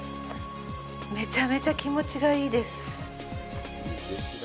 めちゃめちゃ気持ちがいいです。